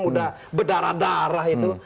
udah berdarah darah itu